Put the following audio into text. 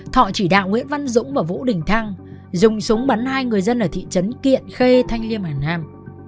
thọ chỉ đạo nguyễn văn dũng và vũ đình thăng dùng súng bắn hai người dân ở thị trấn kiện khê thanh liêm hà nam